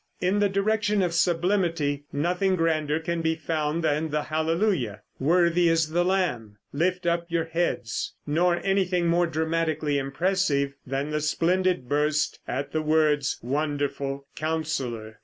In the direction of sublimity nothing grander can be found than the "Hallelujah," "Worthy is the Lamb," "Lift up Your Heads," nor anything more dramatically impressive than the splendid burst at the words, "Wonderful," "Counsellor."